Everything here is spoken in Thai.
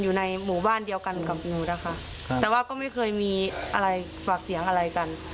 อยู่ในหมู่บ้านเดียวกันกับงูนะคะแต่ว่าก็ไม่เคยมีอะไรฝากเสียงอะไรกัน